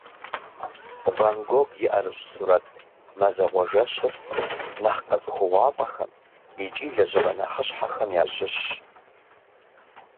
Ван Гог и ӏэрыщӏ сурэт «Мазэгъуэ жэщыр» нэхъ къэцӏыхугъуафӏэхэм икӏи лэжьыгъэ нэхъыщхьэхэм ящыщщ.